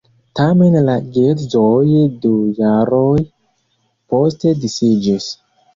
Tamen la geedzoj du jarojn poste disiĝis.